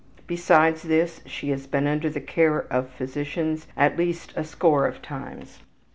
Besides this she has been under the care of physicians at least a score of times.